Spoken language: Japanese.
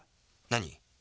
何？